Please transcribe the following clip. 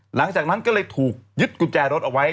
หลังจากนั้นก็เลยถูกยึดกุญแจรถเอาไว้